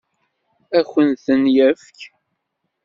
Ad k-ten-yefk?